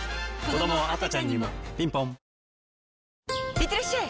いってらっしゃい！